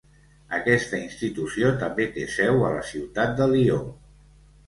Aquesta institució també té seu a la ciutat de Lió.